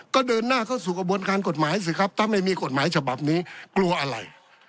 ก็เดินหน้าเข้าสู่กระบวนการกฎหมายสิครับถ้าไม่มีกฎหมายฉบับนี้กลัวอะไร